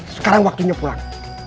sekarang waktunya pulang